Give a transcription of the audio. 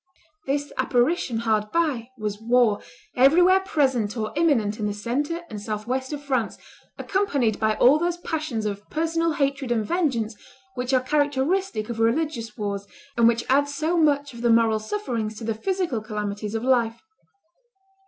This "apparition hard by" was war, everywhere present or imminent in the centre and south west of France, accompanied by all those passions of personal hatred and vengeance which are characteristic of religious wars, and which add so much of the moral sufferings to the physical calamities of life.